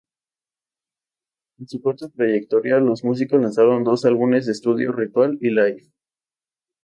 En su corta trayectoria, los músicos lanzaron dos álbumes de estudio: "Ritual" y "Life.